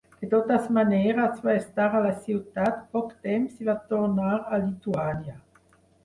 De totes maneres, va estar a la ciutat poc temps i va tornar a Lituània.